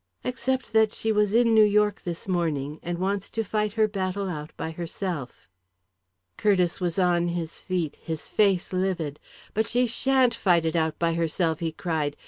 "Except that she was in New York this morning and wants to fight her battle out by herself." Curtiss was on his feet, his face livid. "But she sha'n't fight it out by herself!" he cried.